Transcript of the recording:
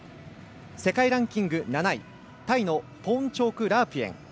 世界ランキング７位、タイのポーンチョーク・ラープイェン。